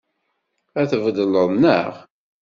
Ad t-tbeddleḍ, naɣ?